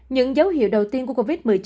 những dấu hiệu đầu tiên của covid một mươi chín